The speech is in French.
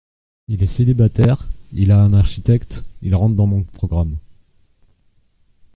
Il est célibataire, il a un architecte !… il rentre dans mon programme.